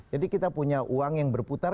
jadi kita punya uang yang berputar